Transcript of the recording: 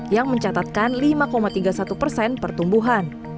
yang mencatatkan lima tiga puluh satu persen pertumbuhan